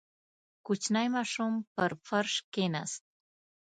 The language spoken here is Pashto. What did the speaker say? • کوچنی ماشوم پر فرش کښېناست.